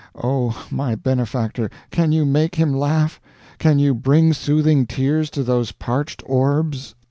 Oh, my benefactor, can you make him laugh? can you bring soothing tears to those parched orbs?"